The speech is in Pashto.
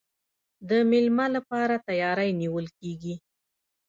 د میلمه لپاره تیاری نیول کیږي.